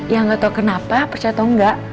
ya gak tau kenapa percaya tau gak